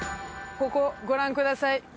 ここご覧ください